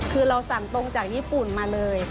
คือเราสั่งตรงจากญี่ปุ่นมาเลย